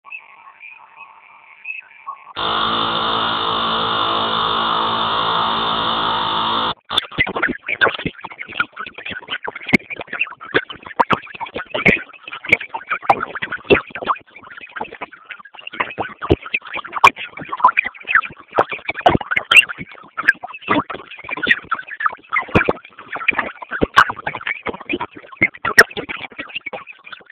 شاوخوا مې وکتل،